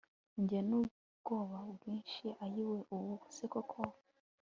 Njye nubwoba bwinshi ayiweee Ubu se koko